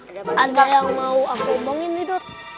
iya ada yang mau aku omongin nih daud